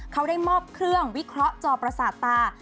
เขาได้มอบเครื่องวิเคราะห์จอประสาทตา